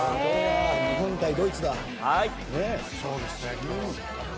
日本対ドイツだ。